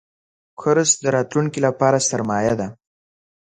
کورس د راتلونکي لپاره سرمایه ده.